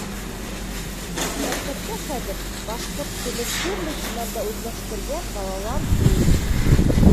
Сөнки мәктәптә хәҙер башҡорт телен төрлө кимәлдә үҙләштергән балалар күп.